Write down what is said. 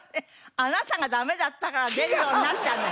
あなたがダメだったから出るようになったのよ。